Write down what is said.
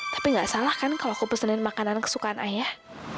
tapi gak salah kan kalau aku pesenin makanan kesukaan ayah